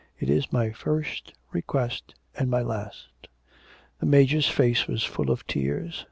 It is my first request and my last.' The Major's face was full of tears.